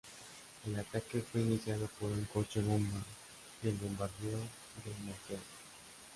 El ataque fue iniciado por un coche bomba y el bombardeo de morteros.